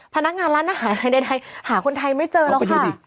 พนักงานร้านอาหารอะไรใดหาคนไทยไม่เจอแล้วค่ะ